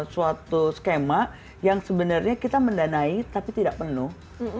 suatu skema yang sebenarnya kita mendanai tapi tidak penuh